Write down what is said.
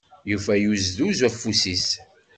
Yufa uzduz afus-is.